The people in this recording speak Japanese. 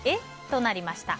となりました。